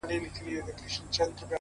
په وينو لژنده اغيار وچاته څه وركوي’